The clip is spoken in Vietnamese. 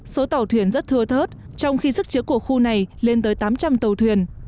số tàu thuyền rất thưa thớt trong khi sức chứa của khu này lên tới tám trăm linh tàu thuyền